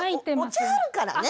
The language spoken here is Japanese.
お茶あるからね。